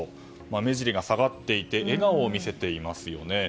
目じりが下がっていて笑顔を見せていますよね。